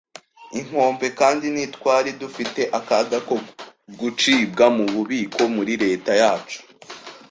inkombe, kandi ntitwari dufite akaga ko gucibwa mu bubiko muri leta yacu